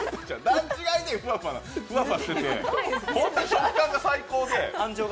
段違いでふわふわしてて、本当に食感が最高で。